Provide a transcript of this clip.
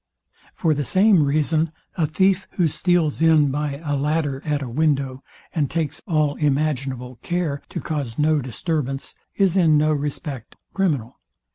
For the same reason, a thief, who steals in by a ladder at a window, and takes all imaginable care to cause no disturbance, is in no respect criminal.